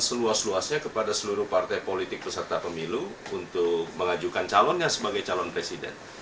seluas luasnya kepada seluruh partai politik peserta pemilu untuk mengajukan calonnya sebagai calon presiden